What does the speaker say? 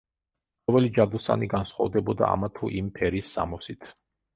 ყოველი ჯადოსანი განსხვავდებოდა ამა თუ იმ ფერის სამოსით.